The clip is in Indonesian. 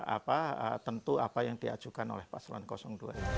apa tentu apa yang diajukan oleh pak selon dua